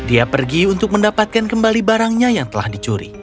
dia pergi untuk mendapatkan kembali barangnya yang telah dicuri